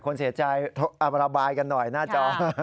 คนเสียใจระบายกันหน่อยหน้าจอ